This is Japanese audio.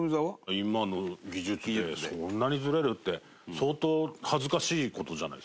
今の技術で、そんなにずれるって相当、恥ずかしい事じゃないですか。